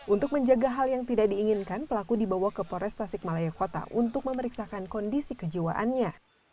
untuk menjaga hal yang tidak diinginkan pelaku dibawa ke pores tasikmalaya kota untuk memeriksakan kondisi kejiwaannya